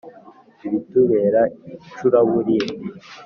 bitubera icuraburindi